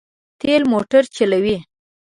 تېل موټر چلوي.